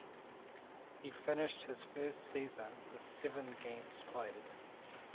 He finished his first season with seven games played.